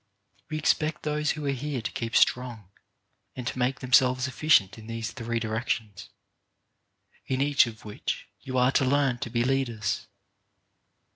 We expect those who are here to keep strong, and to make them selves efficient in these three directions, in each of which you are to learn to be leaders.